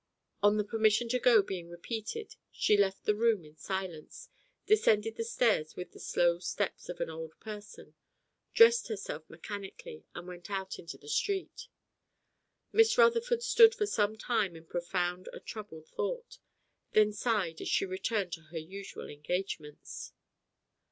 On the permission to go being repeated, she left the room in silence, descended the stairs with the slow steps of an old person, dressed herself mechanically, and went out into the street. Miss Rutherford stood for some time in profound and troubled thought, then sighed as she returned to her usual engagements.